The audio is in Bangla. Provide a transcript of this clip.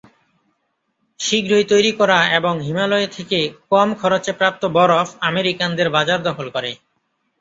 শীঘ্রই তৈরি করা এবং হিমালয় থেকে কম খরচে প্রাপ্ত বরফ আমেরিকানদের বাজার দখল করে।